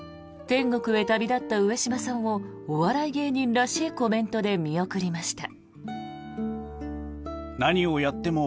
天国へ旅立った上島さんをお笑い芸人らしいコメントで見送りました。